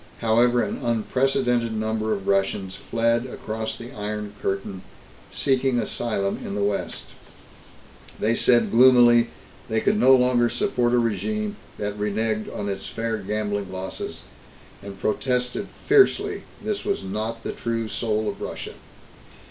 However, an unprecedented number of Russians fled across the Iron Curtain, seeking asylum in the West. They said gloomily they could no longer support a regime that reneged on its fair gambling losses, and protested fiercely this was not the true soul of Russia.